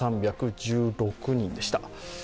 ６３１６人でした。